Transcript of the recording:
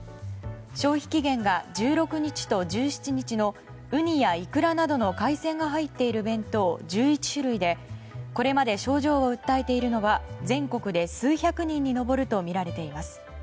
消費期限が１６日と１７日のウニやイクラなどの海鮮が入っている弁当１１種類でこれまで症状を訴えているのは全国で数百人に上るとみられています。